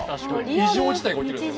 異常事態が起きるんですよ。